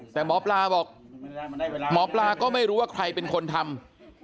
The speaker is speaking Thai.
แต่หมอปลาบอกหมอปลาก็ไม่รู้ว่าใครเป็นคนทำ